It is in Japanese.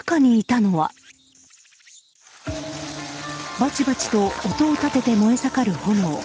バチバチと音を立てて燃え盛る炎。